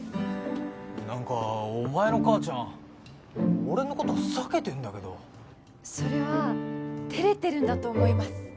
何かお前の母ちゃん俺のこと避けてんだけどそれは照れてるんだと思います